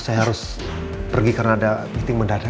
saya harus pergi karena ada meeting mendadak